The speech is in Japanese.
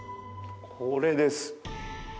これです。